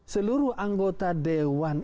seluruh anggota dewan